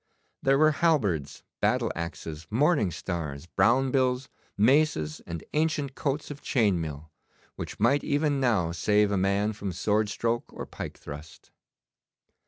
There were halberds, battle axes, morning stars, brown bills, maces, and ancient coats of chain mail, which might even now save a man from sword stroke or pike thrust.